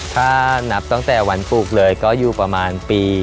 ถ้านับตั้งแต่วันปลูกเลยก็อยู่ประมาณปี